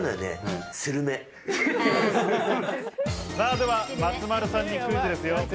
では、松丸さんにクイズですよ。